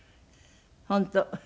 本当。